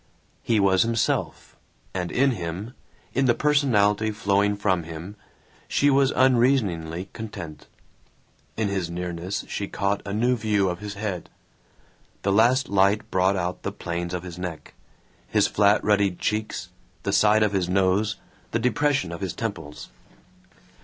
He was himself, and in him, in the personality flowing from him, she was unreasoningly content. In his nearness she caught a new view of his head; the last light brought out the planes of his neck, his flat ruddied cheeks, the side of his nose, the depression of his temples.